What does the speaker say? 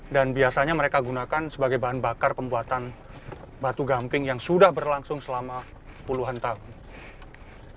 dan biasanya mereka gunakan sebagai bahan bakar pembuatan batu gamping yang sudah berlangsung selama puluhan tahun